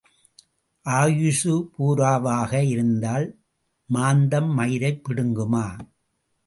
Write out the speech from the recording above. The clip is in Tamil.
ஆயுசு பூராவாக இருந்தால் மாந்தம் மயிரைப் பிடுங்குமா?